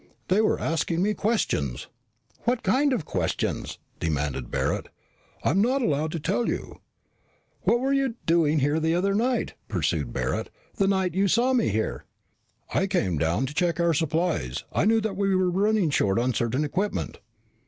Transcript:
"They were asking me questions." "What kind of questions?" demanded Barret. "I'm not allowed to tell you." "What were you doing here the other night?" pursued Barret. "The night you saw me here." "I came down to check our supplies. I knew that we were running short on certain equipment."